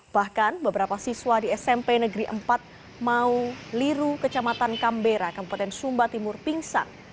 bahkan beberapa siswa di smp negeri empat mau liru kecamatan kambera kabupaten sumba timur pingsan